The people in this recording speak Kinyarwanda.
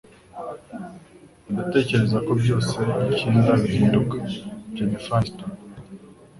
ndatekereza ko byose kinda bihinduka.” - Jennifer Aniston